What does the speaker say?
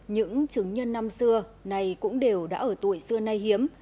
những chứng nhân năm xưa này cũng đều đã ở tuổi xưa nay hiếm